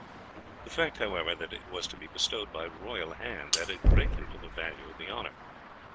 The fact, however, that it was to be bestowed by royal hand added greatly to the value of the honour.